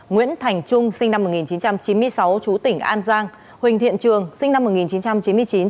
nguyễn thành trung sinh năm một nghìn chín trăm chín mươi sáu chú tỉnh an giang huỳnh thiện trường sinh năm một nghìn chín trăm chín mươi chín chú tỉnh an giang